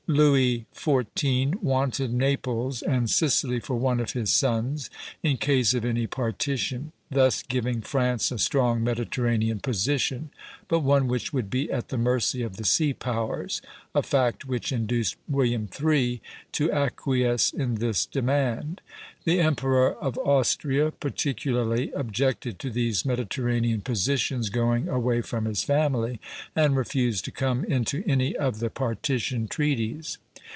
Louis XIV. wanted Naples and Sicily for one of his sons, in case of any partition; thus giving France a strong Mediterranean position, but one which would be at the mercy of the sea powers, a fact which induced William III. to acquiesce in this demand. The Emperor of Austria particularly objected to these Mediterranean positions going away from his family, and refused to come into any of the partition treaties.